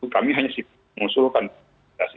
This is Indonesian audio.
kami hanya sih mengusulkan instansi